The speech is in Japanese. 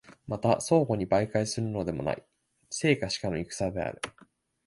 また相互に媒介するのでもない、生か死かの戦である。